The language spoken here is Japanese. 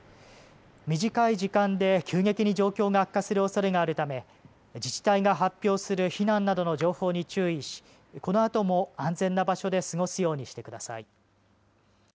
短い時間で急激に状況が悪化するおそれがあるため、自治体が発表する避難などの情報に注意し、このあとも安全な場所で過ごすようにしてください。